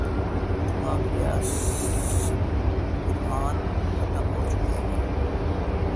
تمام ریستوران ختم ہو چکے ہیں۔